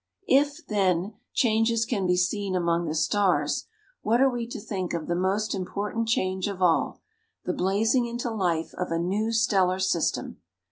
If, then, changes can be seen among the stars, what are we to think of the most important change of all, the blazing into life of a new stellar system?